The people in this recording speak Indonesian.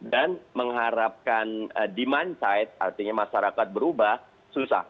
dan mengharapkan demand side artinya masyarakat berubah susah